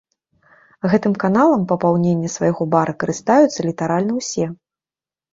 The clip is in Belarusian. Гэтым каналам папаўнення свайго бара карыстаюцца літаральна ўсё.